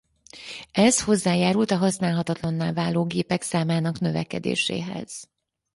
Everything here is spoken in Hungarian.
Ez hozzájárult a használhatatlanná váló gépek számának növekedéséhez.